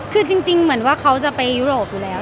คือจริงเหมือนว่าเขาจะไปยุโรปอยู่แล้ว